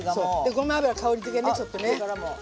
ごま油香りづけねちょっとね。